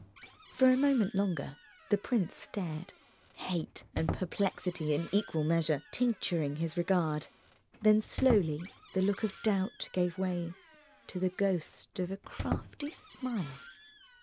For a moment longer the prince stared, hate and perplexity in equal measure tincturing his regard. Then slowly the look of doubt gave way to the ghost of a crafty smile.